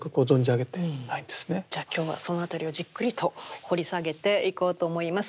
じゃあ今日はそのあたりをじっくりと掘り下げていこうと思います。